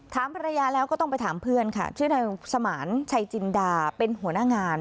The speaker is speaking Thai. ถามภรรยาแล้วก็ต้องไปถามเพื่อนค่ะชื่อนายสมานชัยจินดาเป็นหัวหน้างาน